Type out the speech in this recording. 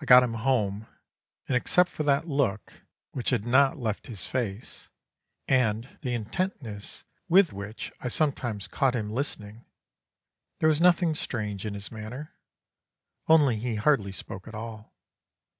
I got him home, and except for that look, which had not left his face, and the intentness with which I sometimes caught him listening, there was nothing strange in his manner; only he hardly spoke at all.